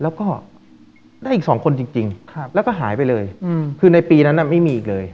แล้วก็ได้อีกสองคนจริงแล้วก็หายไปเลยคือในปีนั้นไม่มีอีกเลย